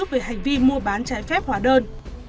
về hành vi mua bán trái phép hỏa đơn